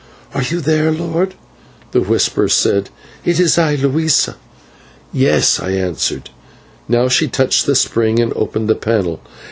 "Are you there, lord?" the whisper said. "It is I, Luisa." "Yes," I answered. Now she touched the spring and opened the panel.